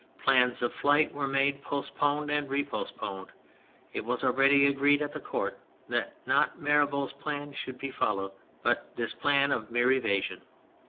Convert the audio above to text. Plans of flight were made, post poned and re postponed. It was already agreed at the Court that not Mirabeau's plan should be followed, but this plan of mere evasion.